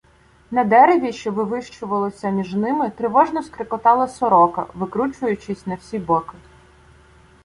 На дереві, що вивищувалося між ними, тривожно скрекотала сорока, викручуючись на всі боки.